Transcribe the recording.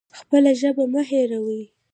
خپله ژبه مه هیروئ